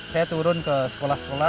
saya turun ke sekolah sekolah